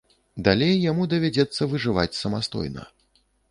Далей яму давядзецца выжываць самастойна.